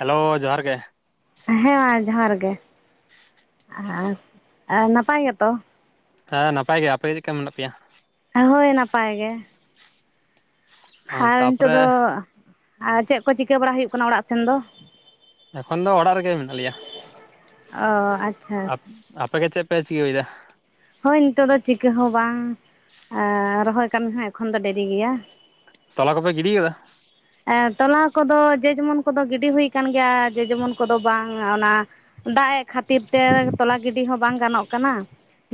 Hello ᱡᱚᱦᱟᱨ ᱜᱮᱼᱼ ᱦᱮᱸ ᱢᱟ ᱡᱚᱦᱟᱨ ᱜᱮ᱾ [unintelligible] ᱟᱨ ᱱᱟᱯᱟᱭ ᱜᱮᱛᱚ? ᱦᱮᱸ ᱱᱟᱯᱟᱭ ᱜᱮ, ᱟᱯᱮ ᱜᱮ ᱪᱮᱫ ᱞᱮᱠᱟ ᱢᱮᱱᱟᱜ ᱯᱮᱭᱟ? ᱦᱳᱭ ᱱᱟᱯᱟᱭ ᱜᱮ᱾ ᱟᱨ ᱱᱤᱛᱚᱜ ᱛᱟᱯᱚᱨᱮ ᱫᱚ ᱪᱮᱫ ᱠᱚ ᱪᱤᱠᱟᱹ ᱵᱟᱲᱟ ᱦᱤᱭᱩᱜ ᱠᱟᱱᱟ ᱚᱲᱟᱜ ᱥᱮᱱ ᱫᱚ? ᱮᱠᱷᱚᱱ ᱫᱚ ᱚᱲᱟᱜ ᱨᱮᱜᱮ ᱢᱮᱱᱟᱜ ᱞᱮᱭᱟ᱾ ᱚᱻ ᱟᱪᱼᱼ ᱟᱯ ᱟᱯᱮ ᱜᱮ ᱪᱮᱫ ᱯᱮ ᱪᱤᱠᱟᱹᱭᱮᱫᱟ? ᱦᱳᱭ ᱱᱤᱛᱚᱜ ᱫᱚ ᱪᱤᱠᱟᱹ ᱦᱚᱸ ᱵᱟᱝ ᱟᱸ ᱨᱚᱦᱚᱭ ᱠᱟᱹᱢᱤ ᱦᱚᱸ ᱮᱠᱷᱚᱱ ᱫᱚ ᱫᱮᱨᱤ ᱜᱮᱭᱟ᱾ ᱛᱚᱞᱟ ᱠᱚᱯᱮ ᱜᱤᱰᱤ ᱟᱠᱟᱫᱟ? ᱛᱚᱞᱟ ᱠᱚᱫᱚ ᱡᱮ ᱡᱮᱢᱚᱱ ᱠᱚᱫᱚ ᱜᱤᱰᱤ ᱦᱩᱭ ᱟᱠᱟᱱ ᱜᱮᱭᱟ ᱡᱮ ᱡᱮᱢᱚᱱ ᱠᱚᱫᱚ ᱵᱟᱝ, ᱚᱱᱟᱼᱼ ᱫᱟᱜ ᱮᱜ ᱠᱷᱟᱛᱼᱼ ᱛᱤᱨ ᱛᱮ ᱛᱚᱞᱟ ᱜᱤᱰᱤ ᱦᱚᱸ ᱵᱟᱝ ᱜᱟᱱᱚᱜ ᱠᱟᱱᱟ᱾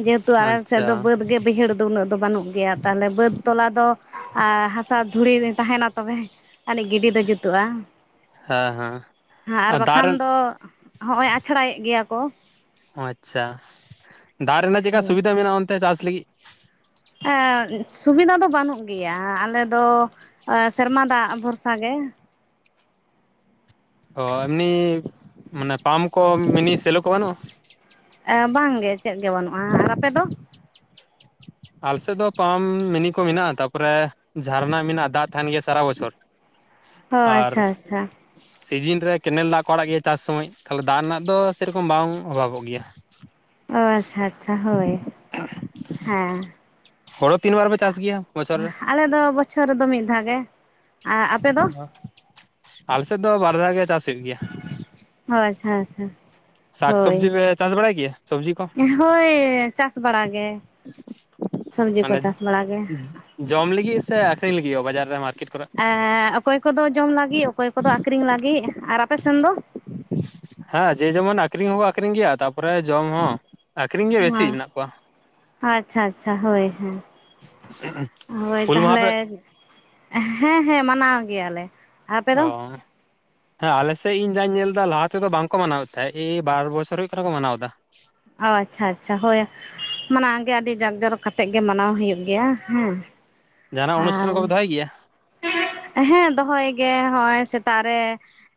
ᱡᱮᱦᱮᱛᱩ ᱟᱞᱮ ᱥᱮᱫ ᱟᱪᱪᱷᱟ ᱫᱚ ᱵᱟᱹᱫᱽ ᱜᱮ ᱵᱟᱹᱭᱦᱟᱹᱲᱼᱼ ᱟᱫᱚ ᱩᱱᱟᱹᱜ ᱫᱚ ᱵᱟᱹᱱᱩᱜ ᱜᱮᱭᱟ ᱛᱟᱦᱚᱞᱮ ᱵᱟᱹᱫᱽ ᱛᱚᱞᱟ ᱫᱚ ᱦᱟᱸᱥᱟ ᱫᱷᱩᱲᱤ ᱛᱟᱦᱮᱱᱟ ᱛᱚᱵᱮᱼᱼ ᱟᱹᱱᱤᱡ ᱜᱤᱰᱤ ᱫᱚ ᱡᱩᱛᱩᱜ-ᱟ᱾ ᱦᱮᱸ ᱦᱮᱸ ᱟᱨ ᱫᱟᱜ ᱵᱟᱠᱷᱟᱱ ᱨᱮ ᱫᱚᱼᱼ ᱦᱚᱸᱜ-ᱚᱭ ᱟᱪᱷᱲᱟᱭᱮᱜ ᱜᱮᱭᱟ ᱠᱚ, ᱚ ᱟᱪᱪᱷᱟ ᱫᱟᱜ ᱨᱮᱱᱟᱜ ᱪᱮᱫᱠᱟ ᱥᱩᱵᱤᱫᱷᱟ ᱢᱮᱱᱟᱜ-ᱟ? ᱚᱱᱛᱮ ᱪᱟᱥ ᱞᱟᱹᱜᱤᱫ᱾ ᱮᱸ ᱥᱩᱵᱤᱫᱷᱟ ᱫᱚ ᱵᱟᱹᱱᱩᱜ ᱜᱮᱭᱟ, ᱟᱞᱮ ᱫᱚᱼᱼ ᱥᱮᱨᱢᱟ ᱫᱟᱜ ᱵᱷᱚᱨᱥᱟ ᱜᱮ᱾ ᱚ ᱮᱢᱱᱤ ᱢᱟᱱᱮ ᱯᱟᱢᱯ ᱠᱚ ᱢᱤᱱᱤ ᱥᱮᱞᱚ ᱠᱚ ᱵᱟᱹᱱᱩᱜ-ᱟ? ᱵᱟᱝ-ᱜᱮ ᱪᱮᱫ ᱜᱮ ᱵᱟᱹᱱᱩᱜ-ᱟ᱾ ᱟᱨ ᱟᱯᱮ ᱫᱚ? ᱟᱞ ᱥᱮᱫ ᱫᱚ ᱯᱟᱢ ᱢᱤᱱᱤ ᱠᱚ ᱢᱮᱱᱟᱜ-ᱟ, ᱛᱟᱯᱚᱨᱮ ᱡᱷᱟᱨᱱᱟ ᱢᱮᱱᱟᱜ-ᱟ, ᱫᱟᱜ ᱛᱟᱦᱮᱸᱱ ᱜᱮᱭᱟ ᱥᱟᱨᱟ ᱵᱚᱪᱷᱚᱨ᱾ ᱚ ᱟᱨ ᱟᱪᱪᱷᱟ ᱟᱪᱪᱷᱟ [inaudible] ᱥᱤᱡᱤᱱ ᱨᱮ ᱠᱮᱱᱮᱞ ᱫᱟᱜ ᱠᱚ ᱟᱲᱟᱜ ᱜᱮᱭᱟ ᱪᱟᱥ ᱥᱚᱢᱚᱭ, ᱛᱟᱦᱞᱮ ᱫᱟᱜ ᱨᱮᱱᱟᱜ ᱫᱚ ᱥᱮᱨᱚᱠᱚᱢ ᱵᱟᱝ ᱚᱵᱷᱟᱵᱚᱜ ᱜᱮᱭᱟ᱾ ᱚ ᱟᱪᱪᱷᱟ ᱟᱪᱪᱷᱟ ᱦᱳᱭ ᱦᱮᱸ᱾ ᱦᱳᱲᱳ ᱛᱤᱱ ᱵᱟᱨ ᱯᱮ ᱪᱟᱥ ᱜᱮᱭᱟ ᱵᱚᱪᱷᱚᱨ ᱨᱮ? ᱟᱞᱮ ᱫᱚ ᱵᱚᱪᱷᱚᱨ ᱨᱮᱫᱚ ᱢᱤᱫ ᱫᱷᱟᱣ ᱜᱮ᱾ ᱟᱨ ᱟᱯᱮ ᱫᱚ ᱵᱟ ᱟᱞᱮ ᱥᱮᱫ ᱫᱚ ᱵᱟᱨ ᱫᱷᱟᱣ ᱜᱮ ᱪᱟᱥ ᱦᱩᱭᱩᱜ ᱜᱮᱭᱟ᱾ ᱦᱳ ᱟᱪᱪᱷᱟ ᱟᱪᱪᱷᱟ ᱥᱟᱠ ᱦᱳᱭ ᱥᱚᱵᱽᱡᱤ ᱪᱟᱥ ᱵᱟᱲᱟᱭ ᱜᱮ ᱥᱚᱵᱽᱡᱤ ᱠᱚ? ᱦᱳᱭ ᱪᱟᱥ ᱵᱟᱲᱟ ᱜᱮ, ᱥᱚᱵᱽᱡᱤ ᱠᱚ ᱢᱟᱱᱮ ᱪᱟᱥ ᱵᱟᱲᱟ ᱜᱮ᱾ ᱡᱚᱢ ᱞᱟᱹᱜᱤᱫ ᱥᱮ ᱟᱠᱷᱨᱤᱧ ᱞᱟᱹᱜᱤᱫ ᱦᱚ ᱵᱟᱡᱟᱨ ᱨᱮ ᱢᱟᱨᱠᱮᱴ ᱠᱚᱨᱮ? ᱮ ᱚᱠᱚᱭ ᱠᱚᱫᱚ ᱡᱚᱢ ᱞᱟᱹᱜᱤᱫ, ᱚᱠᱚᱭ ᱠᱚᱫᱚ ᱟᱹᱠᱷᱨᱤᱧ ᱞᱟᱹᱜᱤᱫ ᱟᱨ ᱟᱯᱮᱥᱱ ᱫᱚ᱾ ᱦᱮᱸ ᱡᱮ ᱡᱮᱢᱚᱱ ᱟᱹᱠᱷᱨᱤᱧ ᱦᱚᱸᱠᱚ ᱟᱹᱠᱷᱨᱤᱧ ᱜᱮᱭᱟ ᱛᱟᱯᱚᱨᱮ ᱡᱚᱢ ᱦᱚᱸ᱾ ᱟᱹᱠᱷᱨᱤᱧ ᱜᱮ ᱵᱮᱥᱤ ᱢᱮᱱᱟᱜ ᱠᱚᱣᱟ᱾ ᱟᱪᱪᱷᱟ ᱟᱪᱪᱷᱟ ᱦᱳᱭ ᱦᱮᱸ ᱦᱳᱭ ᱦᱩᱞ ᱢᱟᱦᱟ ᱯᱮ ᱛᱟᱦᱚᱞᱮ, ᱦᱮᱸ ᱦᱮᱸ ᱢᱟᱱᱟᱣ ᱜᱮᱭᱟᱞᱮ᱾ ᱟᱯᱮ ᱫᱚ ᱚ ᱦᱮᱸ ᱟᱞᱮ ᱥᱮᱫ ᱤᱧ ᱡᱟᱧ ᱧᱮᱞ ᱮᱫᱟ ᱞᱟᱦᱟ ᱛᱮᱫᱚ ᱵᱟᱝᱠᱚ ᱢᱟᱱᱟᱣᱮᱫ ᱛᱟᱦᱮᱸ, ᱮᱭ ᱵᱟᱨ ᱵᱚᱪᱷᱚᱨ ᱦᱩᱭᱩᱜ ᱠᱟᱱᱟ ᱠᱚ ᱢᱟᱱᱟᱣ ᱮᱫᱟ᱾ ᱚ ᱟᱪᱪᱷᱟ ᱟᱪᱪᱷᱟ ᱦᱳᱭ ᱢᱟᱱᱮᱜᱮ ᱟᱹᱰᱤ ᱡᱟᱠ ᱡᱚᱨᱚᱠ ᱠᱟᱛᱮᱫ ᱜᱮ ᱢᱟᱱᱟᱣ ᱦᱩᱭᱩᱜ ᱜᱮᱭᱟ ᱦᱮᱸ᱾ ᱡᱟᱦᱟᱱᱟᱜ ᱟᱨ ᱚᱱᱩᱥᱴᱷᱟᱱ ᱠᱚᱯᱮ ᱫᱚᱦᱚᱭ ᱜᱮᱭᱟ᱾ ᱦᱮᱸ ᱫᱚᱦᱚᱭ ᱜᱮ ᱦᱚᱜᱼᱚᱭ ᱥᱮᱛᱟᱜ ᱨᱮ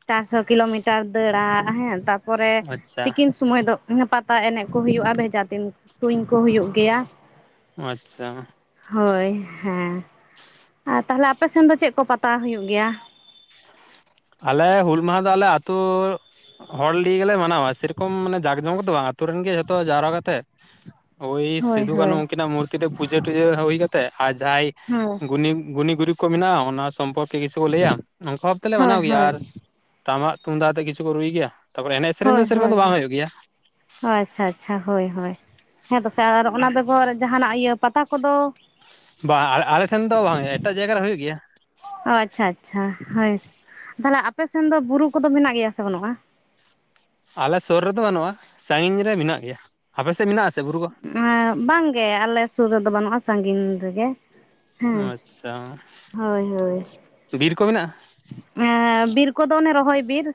ᱪᱟᱨᱥᱚ ᱠᱤᱞᱳᱢᱤᱴᱟᱨ ᱫᱟᱹᱲᱟ ᱦᱮᱸ ᱛᱟᱨᱯᱚᱨᱮ ᱟᱪᱪᱷᱟ ᱛᱤᱠᱤᱱ ᱥᱚᱢᱚᱭ ᱫᱚ ᱯᱟᱛᱟ ᱮᱱᱮᱡ ᱠᱚ ᱦᱩᱭᱩᱜᱼᱟ, ᱵᱷᱮᱡᱟ ᱛᱤᱱ ᱛᱩᱧ ᱠᱚ ᱦᱩᱭᱩᱜ ᱜᱮᱭᱟ᱾ ᱟᱪᱪᱷᱟ ᱦᱳᱭ ᱦᱮᱸ ᱟᱨ ᱛᱟᱦᱚᱞᱮ ᱟᱯᱮᱥᱮᱱ ᱫᱚ ᱪᱮᱫ ᱠᱚ ᱯᱟᱛᱟ ᱦᱩᱭᱩᱜ ᱜᱮᱭᱟ᱾ ᱟᱞᱮ ᱦᱩᱞ ᱢᱟᱦᱟᱸ ᱫᱚ ᱟᱞᱮ ᱟᱹᱛᱩ ᱦᱚᱲ ᱞᱤᱭᱮ ᱜᱮᱞᱮ ᱢᱟᱱᱟᱣᱟ᱾ ᱥᱮᱨᱚᱠᱚᱢ ᱢᱟᱱᱮ ᱡᱟᱠ ᱡᱚᱢᱚᱠ ᱠᱚᱫᱚ ᱵᱟᱝ, ᱟᱹᱛᱩ ᱨᱮᱱ ᱜᱮ ᱡᱷᱚᱛᱚ ᱡᱟᱣᱨᱟ ᱠᱟᱛᱮᱜ᱾ ᱳᱭ ᱦᱳᱭ ᱥᱤᱫᱩ ᱠᱟᱹᱱᱦᱩ ᱦᱳᱭ ᱩᱱᱠᱤᱱᱟᱜ ᱢᱩᱨᱛᱤ ᱨᱮ ᱯᱩᱡᱟᱹ ᱴᱩᱡᱟᱹ ᱦᱩᱭ ᱠᱟᱛᱮᱜ ᱟᱨ ᱡᱟᱦᱟᱸᱭ ᱦᱳᱭ ᱜᱩᱱᱤ ᱜᱩᱱᱤ ᱜᱩᱨᱤ ᱠᱚ ᱢᱮᱱᱟᱜᱼᱟ ᱚᱱᱟ ᱥᱚᱢᱯᱚᱨᱠᱮ ᱠᱤᱪᱷᱩ ᱠᱚ ᱞᱟᱹᱭᱟ᱾ ᱚᱝᱠᱟ ᱵᱷᱟᱵᱽ ᱛᱮᱞᱮ ᱦᱳᱭ ᱢᱟᱱᱟᱣ ᱜᱮᱭᱟ ᱦᱳᱭ ᱟᱨ ᱛᱟᱢᱟᱜ ᱛᱩᱢᱫᱟᱜ ᱟᱛᱮᱫ ᱠᱤᱪᱷᱩ ᱠᱚ ᱨᱩᱭ ᱜᱮᱭᱟ᱾ ᱛᱟᱯᱚᱨᱮ ᱮᱱᱮᱡ ᱥᱮᱨᱮᱧ ᱦᱳᱭ ᱫᱚ ᱥᱮᱨᱚᱠᱚᱢ ᱦᱳᱭ ᱫᱚ ᱵᱟᱝ ᱦᱩᱭᱩᱜ ᱜᱮᱭᱟ ᱦᱳᱭ ᱟᱪᱪᱷᱟ ᱟᱪᱪᱷᱟ ᱦᱳᱭ ᱦᱳᱭ ᱦᱮᱸ ᱛᱚ ᱥᱮ ᱟᱨ ᱚᱱᱟ ᱵᱮᱜᱚᱨ ᱡᱟᱦᱟᱸᱱᱟᱜ ᱤᱭᱟᱹ ᱯᱟᱛᱟ ᱠᱚᱫᱚ ᱵᱟᱝ ᱟᱞ ᱟᱞᱮ ᱴᱷᱮᱱ ᱫᱚ ᱵᱟᱝ ᱮᱴᱟᱜ ᱡᱟᱭᱜᱟ ᱨᱮ ᱦᱩᱭᱩᱜ ᱜᱮᱭᱟ᱾ ᱚ ᱟᱪᱪᱷᱟ ᱟᱪᱪᱷᱟ ᱦᱳᱭ ᱛᱟᱦᱚᱞᱮ ᱟᱯᱮᱥᱮᱱ ᱫᱚ ᱵᱩᱨᱩ ᱠᱚᱫᱚ ᱢᱮᱱᱟᱜ ᱜᱮᱭᱟ ᱥᱮ ᱵᱟᱹᱱᱩᱜᱼᱟ᱾ ᱟᱞᱮ ᱥᱩᱨ ᱨᱮᱫᱚ ᱵᱟᱹᱱᱩᱜᱼᱟ, ᱥᱟᱺᱜᱤᱧ ᱨᱮ ᱢᱮᱱᱟᱜ ᱜᱮᱭᱟ᱾ ᱟᱯᱮ ᱥᱮᱫ ᱢᱮᱱᱟᱜ ᱟ ᱥᱮ ᱵᱩᱨᱩ? ᱠᱚ ᱦᱮᱸ ᱵᱟᱝᱜᱮ ᱟᱞᱮ ᱥᱩᱨ ᱨᱮᱫᱚ ᱵᱟᱹᱱᱩᱜᱼᱟ, ᱥᱟᱺᱜᱤᱧ ᱨᱮᱜᱮ᱾ ᱦᱮᱸ ᱟᱪᱪᱷᱟ ᱦᱳᱭ ᱦᱳᱭ ᱵᱤᱨ ᱠᱚ ᱢᱮᱱᱟᱜᱼᱟ᱾ ᱮ ᱵᱤᱨ ᱠᱚᱫᱚ ᱚᱱᱮ ᱨᱚᱦᱚᱭ ᱵᱤᱨ᱾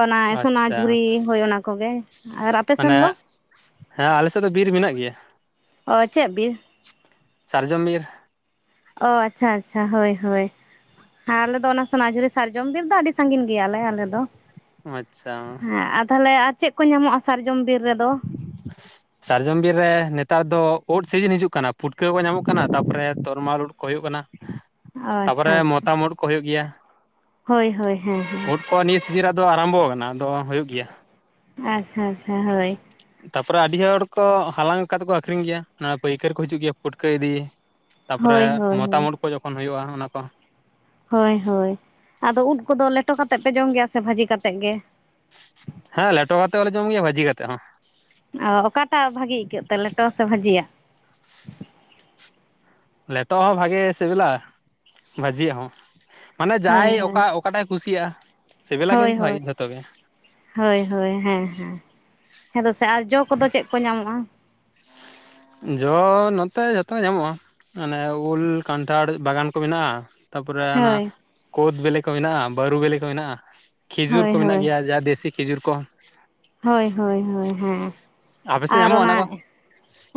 ᱚᱱᱟ ᱟᱪᱪᱷᱟ ᱥᱚᱱᱟᱡᱷᱩᱨᱤ ᱦᱳᱭ ᱚᱱᱟ ᱠᱚᱜᱮ᱾ ᱟᱨ ᱟᱯᱮ ᱢᱟᱱᱮ ᱥᱮᱱ ᱫᱚ ᱦᱮᱸ ᱟᱞᱮᱥᱮᱫ ᱫᱚ ᱵᱤᱨ ᱢᱮᱱᱟᱜ ᱜᱮᱭᱟ᱾ ᱚ ᱪᱮᱫ ᱵᱤᱨ? ᱥᱟᱨᱡᱚᱢ ᱵᱤᱨ᱾ ᱚ ᱟᱪᱪᱷᱟ ᱟᱪᱪᱷᱟ ᱦᱳᱭ ᱦᱳᱭ ᱦᱮᱸ ᱟᱞᱮ ᱫᱚ ᱚᱱᱟ ᱥᱚᱱᱟᱡᱷᱩᱨᱤ ᱥᱟᱨᱡᱚᱢ ᱵᱤᱨ ᱫᱚ ᱟᱹᱰᱤ ᱥᱟᱹᱜᱤᱧ ᱜᱮᱭᱟᱞᱮ ᱟᱞᱮ ᱫᱚ᱾ ᱟᱪᱪᱷᱟ ᱦᱮᱸ ᱟᱨ ᱛᱟᱦᱚᱞᱮ ᱟᱨ ᱪᱮᱫ ᱠᱚ ᱧᱟᱢᱚᱜᱼᱟ ᱥᱟᱨᱡᱚᱢ ᱵᱤᱨ ᱨᱮᱫᱚ? [inaudible] ᱥᱟᱨᱡᱚᱢ ᱵᱤᱨ ᱨᱮ ᱱᱮᱛᱟᱨ ᱫᱚ ᱩᱫ ᱥᱤᱡᱤᱱ ᱦᱤᱡᱩᱜ ᱠᱟᱱᱟ, ᱯᱷᱩᱴᱠᱟᱹ ᱠᱚ ᱧᱟᱢᱚᱜ ᱠᱟᱱᱟ ᱛᱟᱯᱚᱨᱮ ᱛᱚᱨᱢᱟᱞ ᱩᱫ ᱠᱚ ᱦᱩᱭᱩᱜ ᱠᱟᱱᱟ᱾ ᱚ ᱟᱪᱪᱷᱟ ᱛᱟᱯᱚᱨᱮ ᱟᱪᱪᱷᱟ ᱢᱚᱛᱟᱢ ᱩᱫ ᱠᱚ ᱦᱩᱭᱩᱜ ᱜᱮᱭᱟ᱾ ᱦᱳᱭ ᱦᱳᱭ ᱦᱮᱸ ᱩᱫ ᱦᱮᱸ ᱠᱚ ᱱᱤᱥ ᱥᱤᱡᱤᱨᱟᱜ ᱫᱚ ᱟᱨᱟᱢᱵᱷᱚ ᱠᱟᱱᱟ ᱟᱫᱚ ᱦᱩᱭᱩᱜ ᱜᱮᱭᱟ᱾ ᱟᱪᱪᱷᱟ ᱟᱪᱪᱷᱟ ᱦᱳᱭ ᱛᱟᱯᱚᱨᱮ ᱟᱹᱰᱤ ᱦᱚᱲ ᱠᱚ ᱦᱟᱞᱟᱝ ᱠᱚ ᱠᱟᱛᱮᱜ ᱠᱚ ᱟᱠᱷᱨᱤᱧ ᱜᱮᱭᱟ ᱚᱣᱟ ᱯᱟᱹᱭᱠᱟᱹᱨ ᱠᱚ ᱦᱤᱡᱩᱜ ᱜᱮᱭᱟ ᱯᱩᱴᱠᱟᱹ ᱤᱫᱤ᱾ ᱛᱟᱯᱚᱨᱮ ᱦᱳᱭ ᱦᱳᱭ ᱢᱚᱛᱟᱢ ᱦᱳᱭ ᱩᱫ ᱠᱚ ᱡᱚᱠᱷᱚᱱ ᱦᱩᱭᱩᱜᱼᱟ ᱚᱱᱟ ᱠᱚ᱾ ᱦᱳᱭ ᱦᱳᱭ ᱟᱫᱚ ᱩᱫ ᱠᱚᱫᱚ ᱞᱮᱴᱚ ᱠᱟᱛᱮᱜ ᱯᱮ ᱡᱚᱢ ᱜᱮᱭᱟ, ᱥᱮ ᱵᱷᱟᱹᱡᱤ ᱠᱟᱛᱮᱜ ᱜᱮ? ᱦᱮᱸ ᱞᱮᱴᱚ ᱠᱟᱛᱮᱜ ᱦᱚᱸ ᱞᱮ ᱡᱚᱢ ᱜᱮᱭᱟ ᱵᱷᱟᱹᱤ ᱠᱟᱛᱮᱜ ᱦᱚᱸ᱾ ᱚ ᱚᱠᱟᱴᱟᱜ ᱵᱷᱟᱜᱤ ᱟᱹᱭᱠᱟᱹᱜ ᱛᱮ ᱞᱮᱴᱚ ᱥᱮ ᱵᱷᱟᱹᱡᱤᱭᱟᱜ? ᱞᱮᱴᱚᱣᱟᱜ ᱦᱚᱸ ᱵᱷᱟᱜᱮ ᱥᱤᱵᱤᱞᱟ ᱵᱷᱟᱹᱡᱤᱭᱟᱜ ᱦᱚᱸ ᱢᱟᱱᱮ ᱡᱟᱭ ᱦᱳᱭ ᱚᱠᱟ ᱦᱳᱭ ᱚᱠᱟᱴᱟᱭ ᱠᱩᱥᱤᱭᱟᱜᱼᱟ᱾ ᱥᱤᱵᱤᱞᱟ ᱦᱳᱭ ᱠᱤᱱᱛᱩ ᱦᱳᱭ ᱵᱷᱟᱜᱮ ᱡᱷᱚᱛᱚ ᱜᱮ ᱦᱳᱭ ᱦᱳᱭ ᱦᱮᱸ ᱦᱮᱸ ᱦᱮᱸ ᱫᱚᱥᱮ ᱟᱨ ᱡᱚ ᱠᱚᱫᱚ ᱪᱮᱜ ᱠᱚ ᱧᱟᱢᱚᱜᱼᱟ? ᱡᱚ ᱱᱚᱛᱮ ᱡᱷᱚᱛᱚ ᱧᱟᱢᱚᱜᱼᱟ, ᱢᱟᱱᱮ ᱩᱞ ᱠᱟᱱᱴᱷᱟᱲ ᱵᱟᱜᱟᱱ ᱠᱚ ᱢᱮᱱᱟᱜᱼᱟ᱾ ᱛᱟᱯᱚᱨᱮ ᱚᱱᱟ ᱦᱳᱭ ᱠᱳᱫ ᱵᱤᱞᱤ ᱠᱚ ᱢᱮᱱᱟᱜᱼᱟ, ᱵᱟᱹᱨᱩ ᱵᱤᱞᱤ ᱠᱚ ᱢᱮᱱᱟᱜᱼᱟ᱾ ᱠᱷᱮᱡᱩᱨ ᱦᱳᱭ ᱠᱚ ᱢᱮᱱᱟᱜ ᱦᱳᱭ ᱜᱮᱭᱟ ᱡᱟ ᱫᱮᱥᱤ ᱠᱷᱤᱡᱩᱨ ᱠᱚ᱾ ᱦᱳᱭ ᱦᱳᱭ ᱦᱳᱭ ᱦᱮᱸ ᱟᱯᱮ ᱥᱮᱫ ᱟᱨ ᱧᱟᱢᱚᱜᱼᱟ ᱚᱱᱟ ᱠᱚ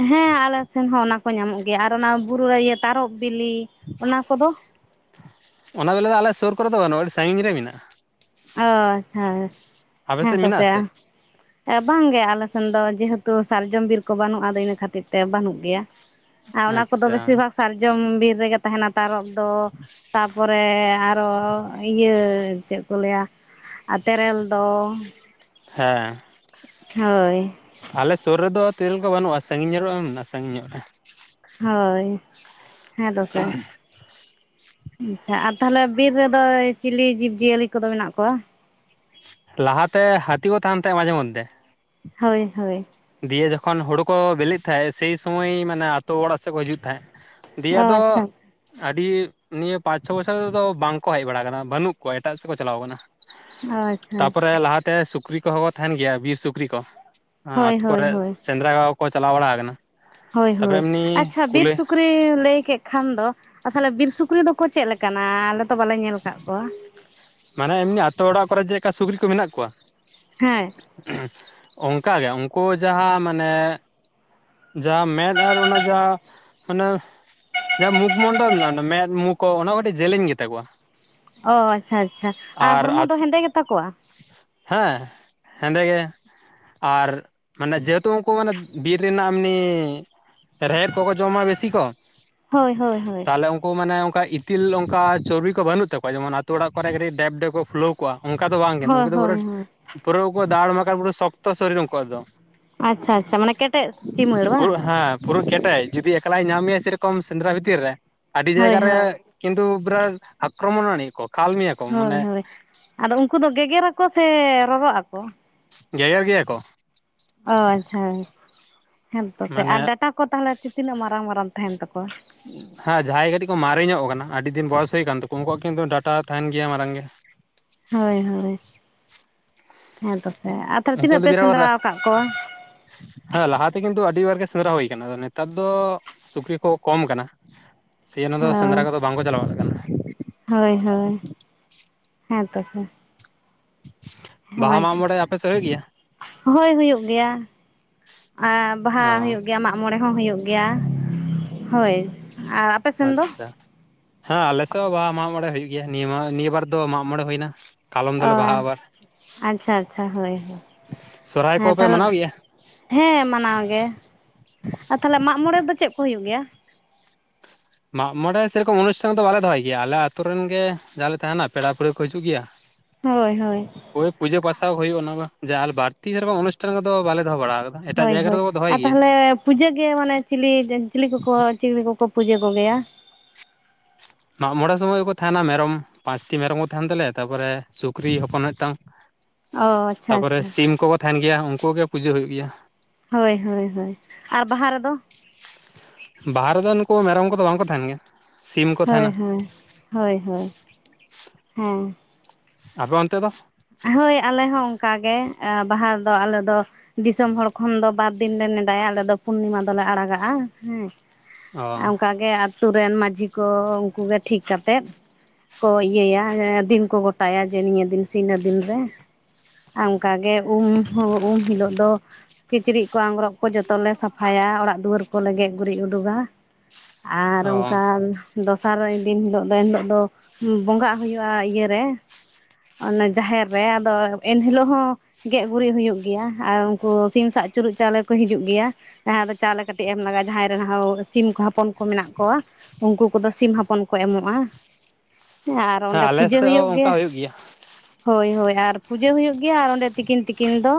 ᱦᱮᱸ ᱟᱞᱮ ᱥᱮᱱ ᱦᱚᱸ ᱚᱱᱟ ᱠᱚ ᱧᱟᱢᱚᱜ ᱜᱮᱭᱟ, ᱟᱨ ᱚᱱᱟ ᱵᱩᱨᱩ ᱤᱭᱟᱹ ᱛᱟᱨᱚᱵ ᱵᱤᱞᱤ ᱚᱱᱟ ᱠᱚᱫᱚ ᱮᱱᱟ ᱫᱚ ᱟᱞᱮ ᱥᱩᱨ ᱠᱚᱨᱮ ᱫᱚ ᱵᱟᱹᱱᱩᱜᱼᱟ, ᱟᱹᱰᱤ ᱥᱟᱺᱜᱤᱧ ᱨᱮ ᱢᱮᱱᱟᱜᱼᱟ᱾ ᱚ ᱟᱪᱪᱷᱟ ᱟᱯᱮ ᱦᱮᱸ ᱥᱮᱫ ᱢᱮᱱᱟᱜᱼᱟ ᱛᱚᱥᱮ ᱥᱮ ᱮ ᱵᱟᱝᱜᱮ ᱟᱞᱮ ᱥᱮᱱ ᱫᱚ ᱡᱮᱦᱮᱛᱩ ᱥᱟᱨᱡᱚᱢ ᱵᱤᱨ ᱠᱚ ᱵᱟᱹᱱᱩᱜᱼᱟ, ᱟᱫᱚ ᱤᱱᱟᱹ ᱠᱷᱟᱹᱛᱤᱨ ᱛᱮ ᱵᱟᱹᱱᱩᱜ ᱜᱮᱭᱟᱨ ᱟ ᱚᱱᱟ ᱠᱚᱫᱚ ᱟᱪᱪᱷᱟ ᱵᱮᱥᱤᱨ ᱵᱷᱟᱜ ᱥᱟᱨᱡᱚᱢ ᱵᱤᱨ ᱨᱮᱜᱮ ᱛᱟᱦᱮᱱᱟ ᱛᱟᱨᱚᱵ ᱫᱚ᱾ ᱛᱟᱯᱚᱨᱮ ᱟᱨᱚ ᱤᱭᱟᱹ ᱪᱮᱜ ᱠᱚ ᱞᱟᱹᱭᱟ ᱟ ᱛᱮᱨᱮᱞ ᱫᱚ ᱦᱮᱸ ᱦᱳᱭ ᱟᱞᱮ ᱥᱩᱨ ᱨᱮᱫᱚ ᱛᱤᱨᱤᱞ ᱠᱚ ᱵᱟᱹᱱᱩᱜᱼᱟ, ᱥᱟᱹᱜᱤᱧ [unintelligible] ᱥᱟᱹᱜᱤᱧ ᱧᱚᱜᱼᱟ ᱨᱮ᱾ ᱦᱳᱭ ᱦᱮᱸ ᱫᱚᱥᱮ᱾ ᱟᱪᱪᱷᱟ ᱟᱨ ᱛᱟᱦᱞᱮ ᱵᱤᱨ ᱨᱮᱫᱚ ᱪᱤᱞᱤ ᱡᱤᱵᱽᱡᱤᱭᱟᱹᱞᱤ ᱠᱚᱫᱚ ᱢᱮᱱᱟᱜ ᱠᱚᱣᱟ? ᱞᱟᱦᱟᱛᱮ ᱦᱟᱹᱛᱤ ᱠᱚ ᱛᱟᱦᱮᱱ ᱛᱟᱦᱮᱸᱜ ᱢᱟᱡᱷᱮ ᱢᱚᱫᱫᱷᱮ᱾ ᱦᱳᱭ ᱦᱳᱭ ᱫᱤᱭᱮ ᱡᱚᱠᱷᱚᱱ ᱦᱳᱲᱩ ᱠᱚ ᱵᱤᱞᱤᱜ ᱛᱟᱦᱮᱸᱜ ᱥᱮᱭ ᱥᱩᱚᱢᱚᱭ ᱢᱟᱱᱮ ᱟᱛᱳ ᱚᱲᱟᱜ ᱥᱮᱜ ᱠᱚ ᱦᱤᱡᱩᱜ ᱛᱟᱦᱮᱸᱜ᱾ ᱫᱤᱭᱮ ᱚ ᱟᱫᱚ ᱟᱪᱪᱷᱟ ᱟᱹᱰᱤ ᱱᱤᱭᱟᱹ ᱯᱟᱸᱪ ᱪᱷᱚ ᱵᱚᱪᱷᱚᱨᱫᱚ ᱵᱟᱝ ᱠᱚ ᱦᱮᱡ ᱵᱟᱲᱟ ᱠᱟᱱᱟ, ᱵᱟᱹᱱᱩᱜ ᱠᱚᱣᱟ ᱮᱴᱟᱜ ᱥᱮᱫ ᱠᱚ ᱪᱟᱞᱟᱣ ᱠᱟᱱᱟ᱾ ᱚ ᱟᱪᱪᱷᱟ ᱛᱟᱯᱚᱨᱮ ᱟᱪᱪᱷᱟ ᱞᱟᱦᱟᱛᱮ ᱥᱩᱠᱨᱤ ᱠᱚᱦᱚᱸ ᱠᱚ ᱛᱟᱦᱮᱱ ᱜᱮᱭᱟ ᱵᱤᱨ ᱥᱩᱠᱨᱤ ᱠᱚ᱾ ᱦᱳᱭ ᱦᱳᱭ ᱦᱳᱭ ᱥᱮᱸᱫᱨᱟ [unintelligible] ᱪᱟᱞᱟᱣ ᱵᱟᱲᱟ ᱠᱟᱱᱟ᱾ ᱦᱳᱭ ᱦᱳᱭ ᱟᱪᱪᱷᱟ ᱵᱤᱨ ᱥᱩᱠᱨᱤ ᱞᱟᱹᱭ ᱠᱮᱜ ᱠᱷᱟᱱ ᱫᱚ ᱟᱨ ᱛᱟᱦᱞᱮ ᱵᱤᱨ ᱥᱩᱠᱨᱤ ᱫᱚᱠᱚ ᱪᱮᱜ ᱠᱮᱠᱟᱱᱟ? ᱟᱞᱮ ᱛᱚ ᱵᱟᱞᱮ ᱧᱮᱞ ᱠᱟᱫᱴᱜ ᱠᱚᱣᱟ᱾ ᱢᱟᱱᱮ ᱮᱢᱱᱤ ᱟᱛᱳ ᱚᱲᱟᱜ ᱠᱚᱨᱮ ᱪᱮᱜᱠᱟ ᱥᱩᱠᱨᱤ ᱠᱚ ᱢᱮᱱᱟᱜ ᱠᱚᱣᱟ? ᱦᱮᱸ ᱚᱝᱠᱟ ᱜᱮ ᱩᱝᱠᱩ ᱡᱟᱦᱟᱸ ᱢᱟᱱᱮ ᱡᱟ ᱢᱮᱫᱽ ᱟᱨ ᱚᱱᱟ ᱡᱟ ᱢᱟᱱᱮ ᱡᱟᱦᱟᱸ ᱢᱩᱠᱷᱢᱚᱱᱰᱚᱞ ᱢᱮᱱᱟᱜᱼᱟ ᱢᱮᱫᱽ ᱢᱩ ᱠᱚ ᱚᱱᱟ ᱠᱚ ᱠᱟᱹᱴᱤᱡ ᱡᱮᱞᱮᱧ ᱜᱮᱛᱟᱠᱚᱣᱟ᱾ ᱚ ᱟᱪᱪᱷᱟ ᱟᱪᱪᱷᱟ ᱟᱨ ᱦᱚᱲᱢᱚ ᱫᱚ ᱦᱮᱸᱫᱮ ᱜᱮᱛᱟᱠᱚᱣᱟ? ᱦᱮᱸ ᱦᱮᱸᱫᱮ ᱜᱮ᱾ ᱟᱨ ᱢᱟᱱᱮ ᱡᱮᱦᱮᱛᱩ ᱩᱝᱠᱩ ᱢᱟᱱᱮ ᱵᱤᱨ ᱨᱮᱱᱟᱜ ᱮᱢᱱᱤ ᱨᱮᱦᱮᱫ ᱠᱚᱠᱚ ᱡᱚᱢᱟ ᱵᱮᱥᱤ ᱠᱚ ᱦᱳᱭ ᱦᱳᱭ ᱦᱳᱭ ᱛᱟᱦᱞᱮ ᱩᱝ ᱠᱩ ᱢᱟᱱᱮ ᱚᱝᱠᱟ ᱤᱛᱤᱞ ᱚᱝᱠᱟ ᱪᱚᱨᱵᱤ ᱠᱚ ᱵᱟᱹᱱᱩᱜ ᱛᱟᱠᱚᱣᱟ ᱡᱮᱢᱚᱱ ᱟᱛᱳ ᱚᱲᱟᱜ ᱠᱚᱨᱮ ᱠᱟᱹᱴᱤᱡ ᱰᱮᱵ ᱰᱮᱵ ᱠᱚ ᱯᱷᱩᱞᱟ. ᱣ ᱠᱚᱣᱟ ᱚᱝᱠᱟ ᱫᱚ ᱵᱟᱝ ᱜᱮ ᱦᱳᱭ ᱩᱱᱠᱩ ᱫᱚ ᱯᱩᱨᱟᱹ ᱦᱳᱭ ᱦᱳᱭ ᱯᱩᱨᱟᱹ ᱫᱟᱲ ᱢᱟᱠᱟᱲ ᱯᱩᱨᱟᱹ ᱥᱚᱠᱛᱚ ᱥᱚᱨᱤᱨ ᱩᱝᱠᱩᱣᱟᱜ ᱫᱚ᱾ ᱟᱪᱪᱷᱟ ᱟᱪᱪᱷᱟ ᱢᱟᱱᱮ ᱠᱮᱴᱮᱡ ᱪᱤᱢᱟᱹᱲ ᱵᱟᱝ? ᱯᱷᱩᱨᱟ. ᱠᱮᱴᱮᱡ ᱡᱩᱫᱤ ᱮᱠᱞᱟᱭ ᱧᱟᱢᱮᱭᱟ ᱥᱮᱨᱚᱠᱚᱢ ᱥᱮᱸᱫᱽᱨᱟ ᱵᱷᱤᱛᱤᱨ ᱨᱮ ᱟᱹᱰᱤ ᱦᱳᱭ ᱡᱟᱭᱜᱟ ᱨᱮ ᱦᱳᱭ ᱠᱤᱱᱛᱩ ᱯᱩᱨᱟ. ᱟᱠᱨᱚᱢᱚᱱ ᱟᱱᱮᱡ ᱠᱚ ᱠᱷᱟᱞᱢᱤᱭᱟ ᱦᱳᱭ ᱦᱳᱭ ᱟᱫᱚ ᱩᱱᱠᱩ ᱫᱚ ᱜᱮᱜᱮᱨ ᱟᱠᱚ ᱥᱮ ᱨᱚᱨᱚᱜ ᱟᱠᱚ᱾ ᱜᱮᱜᱮᱨ ᱜᱮᱭᱟ ᱠᱚ᱾ ᱚ ᱟᱪᱪᱷᱟ ᱦᱮᱸ ᱛᱚ ᱥᱮ ᱢᱟᱱᱮ ᱟᱨ ᱰᱟᱴᱟ ᱠᱚ ᱛᱟᱦᱚᱞᱮ ᱛᱤᱱᱟᱹᱜ ᱢᱟᱨᱟᱝ ᱢᱟᱨᱟᱝ ᱛᱟᱦᱮᱱ ᱛᱟᱠᱚᱣᱟ᱾ ᱦᱮᱸ ᱡᱟᱦᱟᱸᱭ ᱠᱟᱹᱴᱤᱡ ᱠᱚ ᱢᱟᱨᱮ ᱧᱚᱜ ᱠᱟᱱᱟ᱾ ᱟᱹᱰᱤ ᱫᱤᱱ ᱵᱚᱭᱚᱥ ᱦᱩᱭ ᱠᱟᱱ ᱛᱟᱠᱚᱣᱟ᱾ ᱩᱱᱠᱩᱣᱟᱜ ᱠᱤᱱᱛᱩ ᱰᱟᱴᱟ ᱛᱟᱦᱮᱱ ᱜᱮᱭᱟ ᱢᱟᱨᱟᱝ ᱜᱮ᱾ ᱦᱳᱭ ᱦᱳᱭ ᱦᱮᱸ ᱛᱚᱥᱮ ᱟᱨ ᱛᱟᱦᱚᱞᱮ ᱛᱤᱱᱟᱹᱜ ᱩᱱᱠᱩᱣᱟᱜ ᱫᱚ ᱯᱮ ᱥᱮᱸᱫᱽᱨᱟ ᱵᱤᱨᱟᱴ ᱟᱠᱟᱫ ᱠᱚᱣᱟ᱾ ᱦᱮᱸ ᱞᱟᱦᱟᱛᱮ ᱠᱤᱱᱛᱩ ᱟᱹᱰᱤᱵᱟᱨ ᱜᱮ ᱥᱮᱸᱫᱽᱨᱟ ᱦᱩᱭ ᱟᱠᱟᱱᱟ᱾ ᱟᱫᱚ ᱱᱮᱛᱟᱨ ᱫᱚ ᱥᱩᱠᱨᱤ ᱠᱚ ᱠᱚᱢ ᱠᱟᱱᱟ᱾ ᱥᱮ ᱚᱱᱟ ᱫᱚ ᱚ ᱥᱮᱸᱫᱽᱨᱟ ᱠᱚᱫᱚ ᱵᱟᱝᱠᱚ ᱪᱟᱞᱟᱣᱚᱜ ᱠᱟᱱᱟ᱾ ᱦᱳᱭ ᱦᱳᱭ ᱦᱮᱸ ᱛᱚᱥᱮ᱾ ᱵᱟᱦᱟ ᱦᱮᱸ ᱢᱟᱜᱽ ᱢᱚᱬᱮ ᱟᱯᱮ ᱥᱮᱫ ᱦᱩᱭᱩᱜ ᱜᱮᱭᱟ᱾ ᱦᱳᱭ ᱦᱩᱭᱩᱜ ᱜᱮᱭᱟ ᱟᱨ ᱵᱟᱦᱟ ᱚ ᱦᱩᱭᱩᱜ ᱜᱮᱭᱟ ᱢᱟᱜ ᱢᱚᱬᱮ ᱦᱚᱸ ᱦᱩᱭᱩᱜ ᱜᱮᱭᱟ ᱦᱳᱭ ᱟᱨ ᱟᱯ ᱟᱪᱪᱷᱟ ᱦᱮᱸ ᱟᱞᱮ ᱥᱮᱫ ᱦᱚᱸ ᱵᱟᱦᱟ ᱢᱟᱜ ᱢᱚᱬᱮ ᱦᱩᱭᱩᱜ ᱜᱮᱭᱟ᱾ ᱱᱤᱭᱟᱹ ᱱᱤᱭᱟᱹ ᱵᱟᱨ ᱫᱚ ᱢᱟᱜ ᱢᱚᱬᱮ ᱦᱩᱭᱱᱟ᱾ ᱠᱟᱞᱚᱢ ᱫᱚᱞᱮ ᱚᱣᱟ ᱵᱟᱦᱟᱜᱼᱟ ᱟᱵᱟᱨ ᱟᱪᱪᱷᱟ ᱟᱪᱪᱷᱟ ᱦᱳᱭ ᱦᱳᱭ ᱥᱚᱨᱦᱟᱭ ᱦᱮᱸ ᱠᱚᱯᱮ ᱛᱟᱦ ᱢᱟᱱᱟᱣ ᱜᱮᱭᱟ ᱦᱮᱸ ᱢᱟᱱᱟᱣ ᱜᱮ ᱟᱨ ᱛᱟᱦᱚᱞᱮ ᱢᱟᱜ ᱢᱚᱬᱮ ᱫᱚ ᱪᱮᱫ ᱠᱚ ᱦᱩᱭᱩᱜ ᱜᱮᱭᱟ᱾ ᱢᱟᱜ ᱢᱚᱬᱮ ᱥᱮᱨᱚᱠᱚᱢ ᱚᱱᱩᱥᱴᱷᱟᱱ ᱫᱚ ᱵᱟᱞᱮ ᱫᱚᱦᱚᱭ ᱜᱮᱭᱟ᱾ ᱟᱞᱮ ᱟᱹᱛᱳ ᱨᱮᱱ ᱜᱮ ᱡᱟᱞᱮ ᱛᱟᱦᱮᱱᱟ ᱯᱮᱲᱟ ᱯᱟᱹᱲᱦᱟᱹ ᱠᱚ ᱦᱤᱡᱩᱜ ᱜᱮᱭᱟ᱾ [inaudible] ᱦᱳᱭ ᱦᱳᱭ ᱦᱳᱭ ᱯᱩᱡᱟᱹ ᱯᱟᱥᱟᱣ ᱦᱩᱭᱩᱜᱼᱟ᱾ ᱚᱱᱟ ᱟᱨ ᱵᱟᱹᱲᱛᱤ ᱥᱮ ᱵᱟᱝ ᱚᱱᱩᱥᱴᱷᱟᱱ ᱠᱚᱫᱚ ᱵᱟᱞᱮ ᱫᱚᱦᱚ ᱵᱟᱲᱟ ᱮᱴᱟᱜ ᱦᱳᱭ ᱡᱟᱭᱜᱟ ᱦᱳᱭ ᱨᱮᱫᱚ ᱠᱚ ᱫᱚᱦᱚᱭ ᱟᱨ ᱜᱮᱭᱟ ᱛᱟᱦᱚᱞᱮ ᱯᱩᱡᱟᱹᱜᱮ ᱢᱟᱱᱮ ᱪᱤᱞᱤ ᱪᱤᱞᱤ ᱠᱚᱠᱚ ᱪᱤᱞᱤ ᱠᱚᱠᱚ ᱯᱩᱡᱟᱹ ᱠᱚᱜᱮᱭᱟ᱾ ᱢᱟᱜ ᱢᱚᱬᱮ ᱥᱚᱢᱚᱭᱠᱚ ᱛᱟᱦᱮᱱᱟ ᱢᱮᱨᱚᱢ ᱯᱟᱸᱪᱴᱤ ᱢᱮᱨᱚᱢ ᱠᱚ ᱛᱟᱦᱮᱱ ᱛᱟᱞᱮᱭᱟ᱾ ᱛᱟᱨᱯᱚᱨᱮ ᱥᱩᱠᱨᱤ ᱦᱚᱯᱚᱱ ᱢᱤᱫᱴᱟᱝ᱾ ᱚ ᱟᱪᱪᱷᱟ ᱛᱟᱯᱚᱨᱮ ᱟᱪᱪᱷᱟ ᱥᱤᱢ ᱠᱚᱠᱚ ᱛᱟᱦᱮᱱ ᱜᱮᱭᱟ᱾ ᱩᱱᱠᱩ ᱜᱮ ᱯᱩᱡᱟᱹ ᱦᱩᱭᱩᱜ ᱜᱮᱭᱟ᱾ ᱦᱳᱭ ᱦᱳᱭ ᱦᱳᱭ ᱟᱨ ᱵᱟᱦᱟ ᱨᱮᱫᱚ᱾ ᱵᱟᱦᱟ ᱨᱮᱫᱚ ᱱᱩᱠᱩ ᱢᱮᱨᱚᱢ ᱠᱚᱫᱚ ᱵᱟᱝᱠᱚ ᱛᱟᱦᱮᱱ ᱜᱮᱭᱟ᱾ ᱥᱤᱢ ᱠᱚ ᱛᱟᱦᱮᱱᱟ ᱦᱳᱭ ᱦᱳᱭ ᱦᱳᱭ ᱦᱳᱭ ᱦᱮᱸ ᱟᱯᱮ ᱚᱱᱛᱮ ᱫᱚ ᱦᱳᱭ ᱟᱞᱮ ᱦᱚᱸ ᱚᱱᱠᱟᱜ ᱜᱮ ᱵᱟᱦᱟ ᱫᱚ ᱟᱞᱮ ᱫᱚ ᱫᱤᱥᱚᱢ ᱦᱚᱲ ᱠᱷᱚᱱ ᱫᱚ ᱵᱟᱨ ᱫᱤᱱ ᱞᱮ ᱱᱮᱰᱟᱭᱟ᱾ ᱟᱞᱮ ᱫᱚ ᱯᱩᱨᱱᱤᱢᱟ ᱫᱚᱞᱮ ᱟᱲᱟᱜᱟᱜᱼᱟ ᱦᱮᱸ᱾ ᱚ ᱚᱱᱠᱟ ᱜᱮ ᱟᱛᱳ ᱨᱮᱱ ᱢᱟᱹᱡᱷᱤ ᱠᱚ ᱩᱱᱠᱩ ᱜᱮ ᱴᱷᱤᱠ ᱠᱟᱛᱮᱫ ᱠᱚ ᱤᱭᱟᱹᱭᱟ ᱫᱤᱱ ᱠᱚ ᱜᱚᱴᱟᱭᱟ ᱡᱮ ᱱᱤᱭᱟᱹ ᱫᱤᱱ ᱥᱮ ᱤᱱᱟᱹ ᱫᱤᱱ ᱨᱮ᱾ ᱟ ᱚᱱᱠᱟᱜᱮ ᱩᱢ ᱦᱚᱸ ᱩᱢ ᱦᱤᱞᱳᱜ ᱫᱚ ᱠᱤᱪᱨᱤᱡ ᱠᱚ ᱟᱝᱜᱨᱚᱜ ᱠᱚ ᱡᱚᱛᱚᱞᱮ ᱥᱟᱯᱷᱟᱭᱟ ᱚᱲᱟᱜ ᱫᱩᱣᱟᱹᱨ ᱠᱚᱞᱮ ᱜᱮᱡ ᱜᱩᱨᱤᱡ ᱩᱰᱩᱜᱟ᱾ ᱟᱨ ᱚ ᱚᱱᱠᱟᱞ ᱫᱚᱥᱟᱨ ᱫᱤᱱ ᱦᱤᱞᱳᱜ ᱫᱚ ᱮᱱ ᱦᱤᱞᱳᱜ ᱫᱚ ᱵᱚᱸᱜᱟᱜ ᱦᱩᱭᱩᱜᱼᱟ ᱤᱭᱟᱹᱨᱮ ᱚᱱᱮ ᱡᱟᱦᱮᱨ ᱨᱮ᱾ ᱟᱫᱚ ᱮᱱ ᱦᱤᱞᱳᱜ ᱦᱚᱸ ᱜᱮᱡ ᱜᱩᱨᱤᱡ ᱦᱩᱭᱩᱜ ᱜᱮᱭᱟ ᱟᱨ ᱩᱱᱠᱩ ᱥᱤᱢ ᱥᱟᱜᱪᱩᱨᱩᱜ ᱪᱟᱣᱞᱮ ᱠᱚ ᱦᱤᱡᱩᱜ ᱜᱮᱭᱟ᱾ ᱡᱟᱦᱟᱸ ᱨᱮ ᱫᱚ ᱪᱟᱣᱞᱮ ᱠᱟᱹᱴᱤᱡ ᱮᱢ ᱞᱟᱜᱟᱜᱼᱟ ᱡᱟᱦᱟᱸᱭ ᱨᱮ ᱦᱚᱣ ᱥᱤᱢ ᱠᱚ ᱦᱚᱯᱚᱱ ᱠᱚ ᱢᱮᱱᱟᱜ ᱠᱚᱣᱟ, ᱩᱱᱠᱩ ᱠᱚᱫᱚ ᱥᱤᱢ ᱦᱚᱯᱚᱱ ᱠᱚ ᱮᱢᱚᱜᱼᱟ᱾ ᱦᱮᱸ ᱟᱨ ᱚᱸᱰᱮ ᱟᱞᱮ ᱯᱩᱡᱟᱹ ᱥᱮᱫ ᱦᱩᱭᱩᱜ ᱜᱮᱭᱟ᱾ [unintelligible] ᱜᱮᱭᱟ ᱦᱳᱭ ᱦᱳᱭ ᱟᱨ ᱯᱩᱡᱟᱹ ᱦᱩᱭᱩᱜ ᱜᱮᱭᱟ ᱟᱨ ᱚᱸᱰᱮ ᱛᱤᱠᱤᱱ ᱛᱤᱠᱤᱱ ᱫᱚ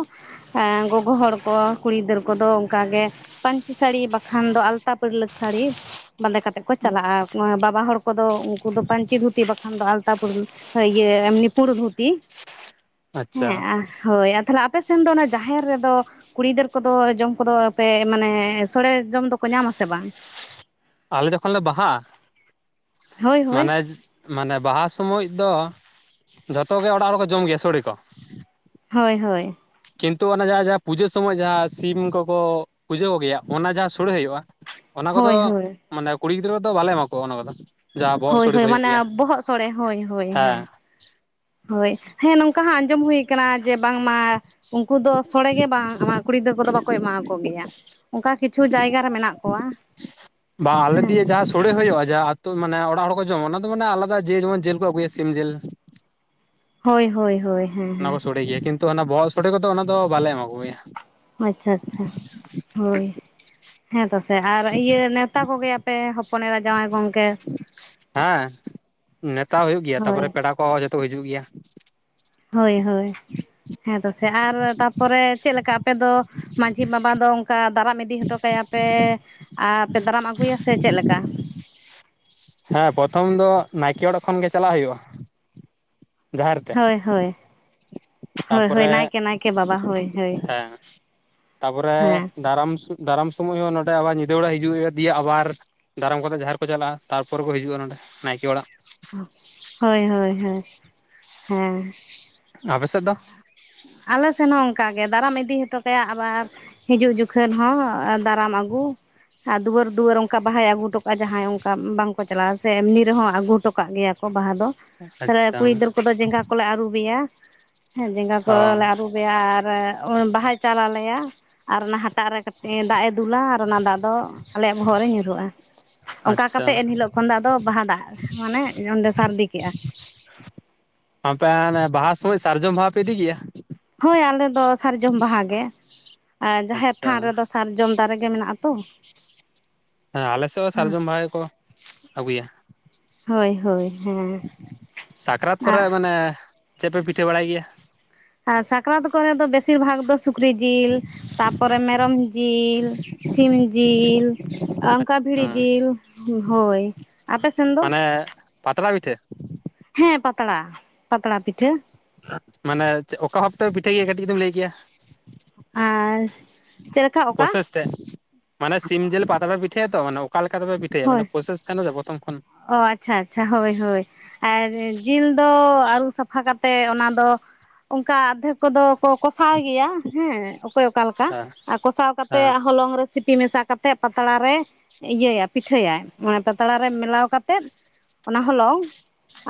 ᱮ ᱜᱚᱜᱚ ᱦᱚᱲ ᱠᱚ ᱠᱩᱲᱤ ᱜᱤᱫᱟᱹᱨ ᱠᱚᱫᱚ ᱚᱱᱠᱟ ᱜᱮ ᱯᱟᱹᱧᱪᱤ ᱥᱟᱹᱲᱤ ᱵᱟᱠᱷᱟᱱ ᱫᱚ ᱟᱞᱛᱟ ᱯᱟᱹᱲᱞᱟᱹᱠ ᱥᱟᱹᱲᱤ ᱵᱟᱸᱫᱮ ᱠᱟᱛᱮᱫ ᱠᱚ ᱪᱟᱞᱟᱜᱼᱟ᱾ ᱵᱟᱵᱟ ᱦᱚᱲ ᱠᱚᱫᱚ ᱩᱱᱠᱩ ᱫᱚ ᱯᱟᱹᱧᱪᱤ ᱫᱷᱩᱛᱤ ᱵᱟᱠᱷᱟᱱ ᱫᱚ ᱟᱞᱛᱟ ᱯᱩᱲ ᱤᱭᱟᱹ ᱮᱢᱱᱤ ᱯᱩᱲ ᱫᱷᱩᱛᱤ ᱟᱪᱪᱷᱟ ᱦᱮᱸ ᱦᱳᱭ ᱛᱟᱦᱞᱮ ᱟᱯᱮᱥᱱ ᱫᱚ ᱚᱱᱟ ᱡᱟᱦᱮᱨ ᱨᱮᱫᱚ ᱠᱩᱲᱤ ᱜᱤᱫᱟᱹᱨ ᱠᱚᱫᱚ ᱡᱚᱢ ᱠᱚᱫᱚ ᱯᱮ ᱢᱟᱱᱮ ᱥᱚᱲᱮ ᱡᱚᱢ ᱫᱚᱠᱚ ᱧᱟᱢ ᱟᱥᱮ ᱵᱟᱝ? ᱟᱞᱮ ᱡᱚᱠᱷᱚᱱ ᱞᱮ ᱵᱟᱦᱟᱜᱼᱟ ᱦᱳᱭ ᱦᱳᱭ ᱢᱟᱱᱮ, ᱢᱟᱱᱮ ᱵᱟᱦᱟ ᱥᱚᱢᱚᱭ ᱫᱚ ᱡᱚᱛᱚ ᱜᱮ ᱚᱲᱟᱜ ᱦᱚᱲᱠᱚ ᱡᱚᱢ ᱜᱮᱭᱟ ᱥᱚᱲᱮ ᱠᱚ᱾ ᱦᱳᱭ ᱦᱳᱭ ᱠᱤᱱᱛᱩ ᱚᱱᱟ ᱡᱟᱦᱟᱸ ᱡᱟᱦᱟᱸ ᱯᱩᱡᱟᱹ ᱥᱚᱢᱚᱭ ᱡᱟᱦᱟᱸ ᱥᱤᱢ ᱠᱚᱠᱚ ᱯᱩᱡᱷᱟᱹᱣ ᱜᱮᱭᱟ ᱚᱱᱟ ᱡᱟᱦᱟᱸ ᱥᱩᱲᱮ ᱦᱩᱭᱩᱜᱼᱟ ᱚᱱᱟ ᱠᱚᱫᱚ ᱦᱳᱭ ᱦᱳᱭ ᱦᱳᱭ ᱢᱟᱱᱮ ᱠᱩᱲᱤ ᱜᱤᱫᱽᱨᱟᱹ ᱠᱚᱫᱚ ᱵᱟᱞᱮ ᱮᱢᱟ ᱠᱚᱣᱟ ᱚᱱᱟ ᱠᱚᱫᱚ᱾ ᱡᱟᱦᱟᱸ ᱵᱚᱦᱚᱜ ᱦᱳᱭ ᱥᱳᱲᱮ ᱠᱚ ᱦᱳᱭ ᱦᱩᱭᱩᱜ ᱢᱟᱱᱮ ᱜᱮᱭᱟ ᱵᱚᱦᱚᱜ ᱥᱚᱲᱮ ᱦᱳᱭ ᱦᱳᱭ ᱦᱮᱸ᱾ ᱦᱳᱭ ᱦᱮᱸ ᱱᱚᱝᱠᱟ ᱦᱚᱸ ᱟᱸᱡᱚᱢ ᱦᱩᱭ ᱠᱟᱱᱟ ᱡᱮ ᱵᱟᱝᱢᱟ ᱩᱝᱠᱩ ᱫᱚ ᱥᱚᱲᱮ ᱜᱮ ᱜᱮ ᱵᱟᱝ ᱮᱢᱟ ᱠᱩᱲᱤ ᱜᱤᱫᱽᱨᱟ. ᱠᱚᱫᱚ ᱵᱟᱠᱚ ᱮᱢᱟᱣ ᱠᱚ ᱜᱮᱭᱟ ᱚᱝᱠᱟ ᱠᱤᱪᱷᱩ ᱡᱟᱭᱜᱟ ᱨᱮ ᱢᱮᱱᱟᱜ ᱠᱚᱣᱟ᱾ ᱵᱟ ᱟᱞᱮ ᱫᱤᱭᱮ ᱡᱟᱥ ᱥᱳᱲᱮ ᱦᱩᱭᱩᱜᱼᱟ, ᱡᱟᱦᱟᱸ ᱟᱹᱛᱳ ᱢᱟᱱᱮ ᱚᱲᱟᱜ ᱦᱚᱲ ᱠᱚ ᱡᱚᱢᱟ ᱚᱱᱟ ᱫᱚ ᱢᱟᱱᱮ ᱟᱞᱟᱫᱟ ᱡᱮ ᱡᱮᱢᱚᱱ ᱡᱤᱞ ᱠᱚ ᱟᱹᱜᱩᱭᱟ ᱥᱤᱢ ᱡᱤᱞ᱾ ᱦᱳᱭ ᱦᱳᱭ ᱦᱳᱭ ᱦᱮᱸ ᱚᱱᱟ ᱠᱚ ᱦᱮᱸ ᱥᱚᱲᱮ ᱜᱮᱭᱟ ᱠᱤᱱᱛᱩ ᱚᱱᱟ ᱵᱚᱦᱚᱜ ᱥᱚᱲᱮ ᱠᱚᱫᱚ ᱚᱱᱟ ᱫᱚ ᱵᱟᱞᱮ ᱮᱢᱟ ᱠᱚ ᱜᱮᱭᱟ᱾ ᱟᱪᱪᱷᱟ ᱟᱪᱪᱷᱟ ᱦᱳᱭ ᱦᱮᱸ ᱛᱚᱥᱮ ᱟᱨ ᱤᱭᱟᱹ ᱱᱮᱣᱛᱟ ᱠᱚᱜᱮ ᱟᱯᱮ? ᱦᱚᱯᱚᱱᱮᱨᱟ ᱡᱟᱶᱟᱭ ᱜᱚᱝᱠᱮ ᱦᱮᱸ ᱱᱮᱣᱛᱟ ᱦᱩᱭᱩᱜ ᱜᱮᱭᱟ, ᱛᱟᱯᱚᱨᱮ ᱦᱳᱭ ᱯᱮᱲᱟ ᱠᱚᱦᱚᱸ ᱡᱚᱛᱚ ᱠᱚ ᱦᱤᱡᱩᱜ ᱜᱮᱭᱟ᱾ ᱦᱳᱭ ᱦᱳᱭ ᱦᱮᱸ ᱛᱚᱥᱮ ᱟᱨ ᱛᱟᱯᱚᱨᱮ ᱪᱮᱫ ᱞᱮᱠᱟ ᱟᱯᱮ ᱫᱚ ᱢᱟᱺᱡᱷᱤ ᱵᱟᱵᱟ ᱫᱚ ᱚᱝᱠᱟ ᱫᱟᱨᱟᱢ ᱤᱫᱤ ᱦᱚᱴᱚ ᱠᱟᱭᱟ ᱯᱮ? ᱟᱯᱮ ᱫᱟᱨᱟᱢ ᱟᱹᱜᱩᱭᱟ ᱥᱮ ᱪᱮᱜ ᱞᱮᱠᱟ? ᱦᱮᱸ ᱯᱨᱚᱛᱷᱚᱢ ᱫᱚ ᱱᱟᱭᱠᱮ ᱚᱲᱟᱜ ᱠᱷᱚᱱ ᱜᱮ ᱪᱟᱞᱟᱜ ᱦᱩᱭᱩᱜᱼᱟ ᱡᱟᱦᱮᱨ ᱛᱮ᱾ ᱦᱳᱭ ᱦᱳᱭ ᱦᱳᱭ ᱦᱳᱭ ᱛᱟᱯᱚᱨᱮ ᱱᱟᱭᱠᱮ ᱱᱟᱭᱠᱮ ᱵᱟᱵᱟ ᱦᱳᱭ ᱦᱳᱭ ᱦᱮᱸ ᱛᱟᱯᱚᱨᱮ ᱦᱮᱸ ᱫᱟᱨᱟᱢ ᱫᱟᱨᱟᱢ ᱥᱚᱢᱚᱭ ᱦᱚᱸ ᱱᱚᱸᱰᱮ ᱟᱵᱟᱨ ᱧᱤᱫᱟᱹ ᱵᱮᱲᱟ ᱦᱤᱡᱩᱜ ᱦᱩᱭᱩᱜᱼᱟ, ᱫᱤᱭᱮ ᱟᱵᱟᱨ ᱫᱟᱨᱟᱢ ᱠᱟᱛᱮ ᱡᱟᱦᱮᱨ ᱠᱚ ᱪᱟᱞᱟᱜᱼᱟ ᱛᱟᱨᱯᱚᱨᱮ ᱠᱚ ᱦᱤᱡᱩᱜᱼᱟ ᱱᱚᱸᱰᱮ ᱱᱟᱭᱠᱮ ᱚᱲᱟᱜ᱾ ᱦᱳᱭ ᱦᱳᱭ ᱦᱳᱭ ᱦᱮᱸ᱾ ᱟᱯᱮᱥᱮᱫ ᱫᱚ? ᱟᱞᱮ ᱥᱮᱱ ᱦᱚᱸ ᱚᱝᱠᱟᱜᱮ ᱫᱟᱨᱟᱢ ᱤᱫᱤ ᱦᱚᱴᱚ ᱠᱟᱭᱟ ᱟᱵᱟᱨ ᱦᱤᱡᱩᱜ ᱡᱚᱠᱷᱚᱱ ᱦᱚᱸ ᱫᱟᱨᱟᱢ ᱟᱹᱜᱩ ᱟᱨ ᱫᱩᱣᱟᱹᱨ ᱫᱩᱣᱟᱹᱨ ᱚᱱᱴᱝᱠᱟ ᱵᱟᱦᱟᱭ ᱟᱹᱜᱩᱴᱚ ᱠᱟᱜᱼᱟ, ᱡᱟᱦᱟᱸᱭ ᱚᱝᱠᱟ ᱵᱟᱝᱠᱚ ᱪᱟᱞᱟᱜᱼᱟ ᱥᱮ ᱮᱢᱱᱤ ᱨᱮᱦᱚᱸ ᱟᱹᱜᱩ ᱦᱚᱴᱚ ᱠᱟᱜ ᱜᱮᱭᱟ᱾ ᱠᱚ ᱵᱟᱦᱟ ᱫᱚ ᱛᱟᱦᱞᱮ ᱟᱪᱪᱷᱟ ᱠᱩᱲᱤ ᱜᱤᱫᱟᱹᱨ ᱠᱚᱫᱚ ᱡᱮᱸᱜᱟ ᱠᱚᱞᱮ ᱟᱹᱨᱩᱵᱮᱭᱟ ᱦᱮᱸ ᱡᱮᱸᱜᱟ ᱚ ᱠᱚᱞᱮ ᱟᱹᱨᱩᱵ ᱨᱮᱭᱟ ᱟᱨ ᱵᱟᱦᱟᱭ ᱪᱟᱞ ᱟᱞᱮᱭᱟ᱾ ᱟᱨ ᱚᱱᱟ ᱦᱟᱴᱟᱜ ᱨᱮ ᱠᱟᱹᱴᱤᱡ ᱫᱟᱜ ᱮ ᱫᱩᱞᱟ ᱟᱨ ᱚᱱᱟ ᱫᱟᱜ ᱫᱚ ᱟᱞᱮᱭᱟᱜ ᱵᱚᱦᱚᱜ ᱨᱮ ᱧᱩᱨᱩᱜᱼᱟ᱾ ᱚᱝᱠᱟ ᱟᱪᱪᱷᱟ ᱠᱟᱛᱮᱜ ᱮᱱᱦᱤᱞᱳᱜ ᱠᱷᱚᱱ ᱫᱚ ᱟᱫᱚ ᱵᱟᱦᱟ ᱫᱟᱜ ᱢᱟᱱᱮ ᱚᱸᱰᱮ ᱥᱟᱨᱫᱤ ᱠᱮᱜᱼᱟ᱾ ᱟᱯᱮ ᱦᱟᱱᱮ ᱵᱟᱦᱟ ᱥᱚᱢᱚᱭ ᱥᱟᱨᱡᱚᱢ ᱵᱟᱦᱟ ᱯᱮ ᱤᱫᱤ ᱜᱮᱭᱟ? ᱦᱳᱭ ᱟᱞᱮ ᱫᱚ ᱥᱟᱨᱡᱚᱢ ᱵᱟᱦᱟ ᱜᱮ᱾ ᱟᱨ ᱡᱟᱦᱮᱨ ᱟᱪᱪᱷᱟ ᱛᱷᱟᱱ ᱨᱮᱫᱚ ᱥᱟᱨᱡᱚᱢ ᱫᱟᱨᱮ ᱢᱮᱱᱟᱜᱼᱟ ᱛᱚ᱾ ᱦᱮᱸ ᱟᱞᱮ ᱥᱮᱜ ᱦᱚᱸ ᱥᱟᱨᱡᱚᱢ ᱵᱟᱦᱟ ᱜᱮᱠᱚ ᱟᱹᱜᱩᱭᱟ᱾ ᱦᱳᱭ ᱦᱳᱭ ᱦᱮᱸ ᱥᱟᱠᱨᱟᱛ ᱠᱚᱨᱮ ᱟᱜ ᱢᱟᱱᱮ ᱪᱮᱜ ᱯᱮ ᱯᱤᱴᱷᱟᱹ ᱵᱟᱲᱟᱭ ᱜᱮᱭᱟ? ᱥᱟᱠᱨᱟᱛ ᱠᱚᱨᱮ ᱫᱚ ᱵᱮᱥᱤᱨ ᱵᱷᱟᱜᱽ ᱫᱚ ᱥᱩᱠᱨᱤ ᱡᱤᱞ, ᱛᱟᱯᱚᱨᱮ ᱢᱮᱨᱚᱢ ᱡᱤᱞ᱾ ᱥᱤᱢ ᱡᱤᱞ, ᱚᱝᱠᱟ ᱵᱷᱤᱲᱤ ᱡᱤᱞ ᱦᱳᱭ᱾ ᱟᱯᱮ ᱥᱮᱱ ᱫᱚ ᱢᱟᱱᱮ ᱯᱟᱛᱲᱟ ᱯᱤᱴᱷᱟ.? ᱦᱮᱸ ᱯᱟᱛᱲᱟ ᱯᱟᱛᱲᱟ ᱯᱤᱴᱷᱟᱹ᱾ ᱢᱟᱱᱮ ᱚᱠᱟ ᱵᱷᱟᱵ ᱛᱮᱯᱮ ᱯᱤᱴᱷᱟᱹᱭ ᱜᱮᱭᱟ ᱠᱟᱹᱴᱤᱡ ᱡᱩᱫᱤᱢ ᱞᱟᱹᱭ ᱠᱮᱭᱟ᱾ ᱟᱨ ᱪᱮᱫ ᱞᱮᱠᱟ ᱚᱠᱟ? ᱛᱮ ᱢᱟᱱᱮ ᱥᱤᱢ ᱡᱤᱞ ᱯᱟᱛᱨᱟ ᱯᱤᱴᱷᱟᱹᱭᱟ ᱛᱚ ᱢᱟᱱᱮ ᱚᱠᱟ ᱞᱮᱠᱟ ᱛᱮ ᱯᱮ ᱯᱤᱴᱟᱹᱭᱟ ᱦᱳᱭ ᱢᱟᱱ ᱯᱨᱚᱥᱮᱥ ᱛᱟᱦᱮᱱᱟ ᱥᱮ ᱯᱨᱚᱛᱚᱢ ᱠᱷᱚᱱ? ᱚ ᱟᱪᱪᱷᱟ ᱟᱪᱪᱷᱟ ᱦᱳᱭ ᱦᱳᱭ ᱟᱨ ᱡᱤᱞ ᱫᱚ ᱟᱹᱨᱩᱵ ᱥᱟᱯᱷᱟ ᱠᱟᱛᱮ ᱚᱱᱟ ᱫᱚ ᱚᱝᱠᱟ ᱟᱫᱫᱷᱮᱠ ᱠᱚᱫᱚ ᱠᱚ ᱠᱚᱥᱟᱣ ᱜᱮᱭᱟ ᱦᱮᱸ᱾ ᱚᱠᱚᱭ ᱚᱠᱟ ᱞᱮᱠᱟ ᱦᱮᱸ ᱟᱨ ᱠᱚᱥᱟᱣ ᱦᱮᱸ ᱠᱟᱛᱮᱜ ᱦᱚᱞᱚᱝ ᱨᱮ ᱥᱤᱯᱤ ᱢᱮᱥᱟ ᱠᱟᱛᱮᱜ ᱯᱟᱛᱲᱟ ᱨᱮ ᱤᱭᱟᱹᱭᱟ ᱯᱤᱴᱷᱟᱹᱭᱟᱭ ᱢᱟᱱᱮ ᱯᱟᱛᱲᱟ ᱨᱮ ᱢᱮᱞᱟᱣ ᱠᱟᱛᱮᱫ ᱚᱱᱟ ᱦᱚᱞᱚᱝ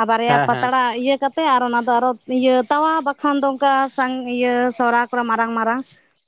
ᱟ ᱵᱟᱨᱭᱟ ᱦᱮᱸ ᱦᱮᱸ ᱯᱟᱛᱲᱟ ᱤᱭᱟᱹ ᱠᱟᱛ ᱛᱮ ᱟᱨ ᱚᱱᱟ ᱫᱚ ᱟᱨᱚ ᱤᱭᱟᱹ ᱛᱟᱣᱟ ᱵᱟᱠᱷᱟᱱ ᱫᱚ ᱚᱝᱠᱟ ᱥᱟᱝ ᱤᱭᱟᱹ ᱥᱚᱨᱟ ᱠᱚᱨᱮ ᱢᱟᱨᱟᱝ ᱢᱟᱨᱟᱝ